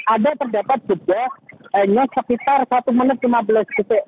ada terdapat juga news sekitar satu menit lima belas detik